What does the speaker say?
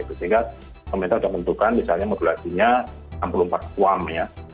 sehingga pemerintah sudah menentukan misalnya modulasi nya enam puluh empat qam ya